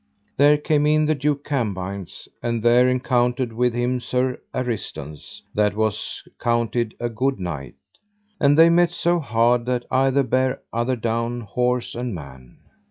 There came in the Duke Cambines, and there encountered with him Sir Aristance, that was counted a good knight, and they met so hard that either bare other down, horse and man.